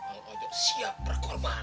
mang ojo siap berkorban